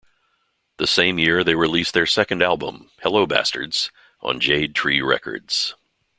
That same year, they released their second album, "Hello Bastards" on Jade Tree Records.